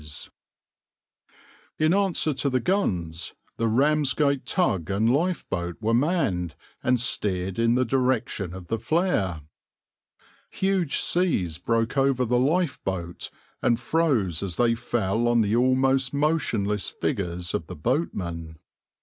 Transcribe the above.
\par \vs {\noindent} In answer to the guns the Ramsgate tug and lifeboat were manned and steered in the direction of the flare. Huge seas broke over the lifeboat and froze as they fell on the almost motionless figures of the boatmen.